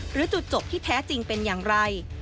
หรือจุดจบที่แท้จริงเป็นอย่างไร